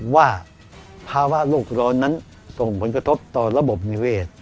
ว่าภาวะโลกร้อนนั้นส่งผลกระทบต่อระบบนิเวศ